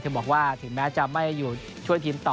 บอกว่าถึงแม้จะไม่อยู่ช่วยทีมต่อ